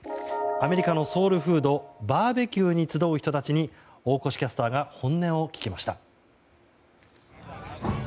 アメリカのソウルフードバーベキューに集う人たちに大越キャスターが本音を聞きました。